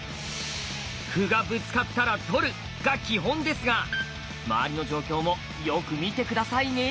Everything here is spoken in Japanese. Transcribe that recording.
「歩がぶつかったら取る」が基本ですが周りの状況もよく見て下さいね！